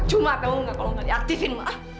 cuma tau gak kalau gak diaktifin